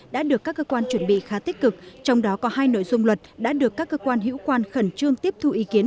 đã được các cơ quan chuẩn bị khá tích cực trong đó có hai nội dung luật đã được các cơ quan hữu quan khẩn trương tiếp thu ý kiến